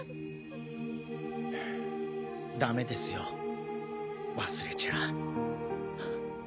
ダメですよ忘れちゃ。